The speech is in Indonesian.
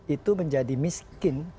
itu menjadi miskin